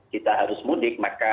kita harus mudik maka